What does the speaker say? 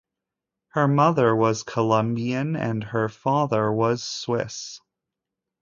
Her mother was Colombian and her father was Swiss.